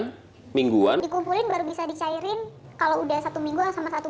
dua minggu mingguandot inggris tower bisa ke landing kalau udah satu minggu sama satu